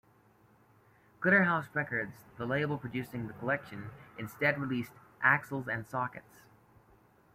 Glitterhouse Records, the label producing the collection, instead released "Axles and Sockets".